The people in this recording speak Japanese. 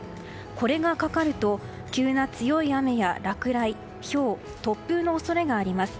これがかかると急な強い雨や落雷ひょう、突風の恐れがあります。